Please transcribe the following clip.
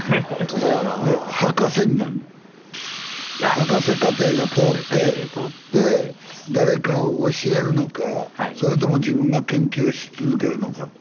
博士課程が通ってで誰かを教えるのかそれとも自分が研究し続けるのかですよね。